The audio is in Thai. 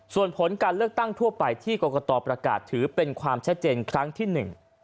ส่วนผลการเลือกตั้งทั่วไปที่กรกตประกาศถือเป็นความชัดเจนครั้งที่หนึ่ง